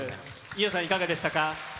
伊予さん、いかがでしたか？